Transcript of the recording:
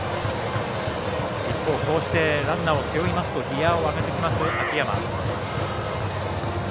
一方、こうしてランナーを背負いますとギヤを上げてきます、秋山。